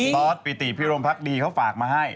ต๊อตปีตีพี่หรมพลักดีเขาฝากมาให้